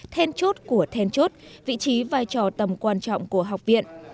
thèn chốt của thèn chốt vị trí vai trò tầm quan trọng của học viện